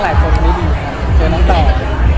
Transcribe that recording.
เห็นจุ๊กเมื่อกี้เพื่อนเมื่อกี้เป็นยังไงคะ